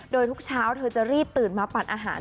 โดยทุกเช้าเธอจะรีบตื่นมาปัดอาหาร